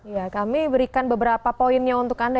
ya kami berikan beberapa poinnya untuk anda